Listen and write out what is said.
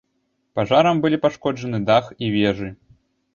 Пажарам былі пашкоджаны дах і вежы.